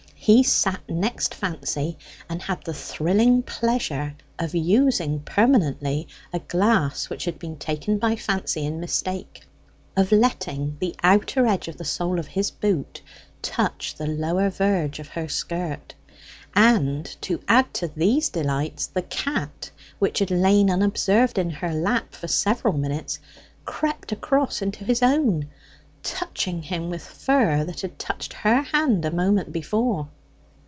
He sat next Fancy, and had the thrilling pleasure of using permanently a glass which had been taken by Fancy in mistake; of letting the outer edge of the sole of his boot touch the lower verge of her skirt; and to add to these delights the cat, which had lain unobserved in her lap for several minutes, crept across into his own, touching him with fur that had touched her hand a moment before.